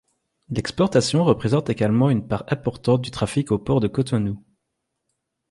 L'exportation représente également une part importante du traffic au port de Cotonou.